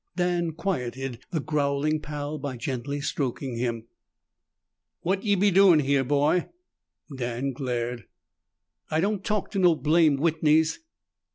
Dan quieted the growling Pal by gently stroking him. "What be ye doin' here, boy?" Dan glared. "I don't talk to no blamed Whitneys!"